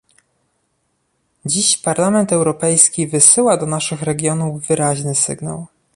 Dziś Parlament Europejski wysyła do naszych regionów wyraźny sygnał